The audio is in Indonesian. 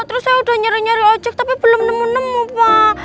terus saya udah nyari nyari ojek tapi belum nemu nemu pak